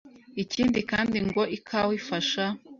Ikindi kandi ngo ikawa ifasha